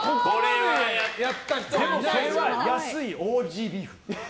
でもそれは安いオージービーフ。